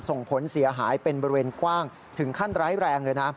ส่งผลเสียหายเป็นบริเวณกว้างถึงขั้นร้ายแรงเลยนะ